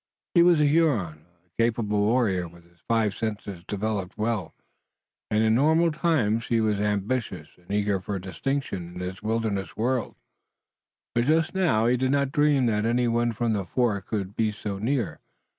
He was a Huron, a capable warrior with his five senses developed well, and in normal times he was ambitious and eager for distinction in his wilderness world, but just now he did not dream that any one from the fort could be near.